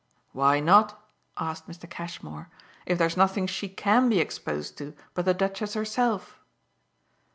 "Why not," asked Mr. Cashmore, "if there's nothing she CAN be exposed to but the Duchess herself?"